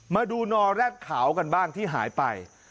มาดูนอแร็ดขาวกันบ้างที่หายไป